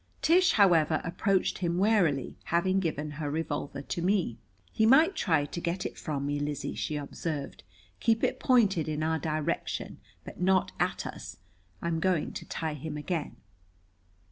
Tish, however, approached him warily, having given her revolver to me. "He might try to get it from me, Lizzie," she observed. "Keep it pointed in our direction, but not at us. I'm going to tie him again."